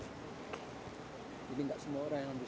jadi tidak semua orang yang bisa